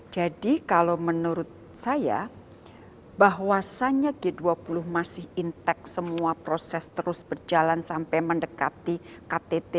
jadi kalau menurut saya bahwasannya g dua puluh masih intek semua proses terus berjalan sampai mendekati ktt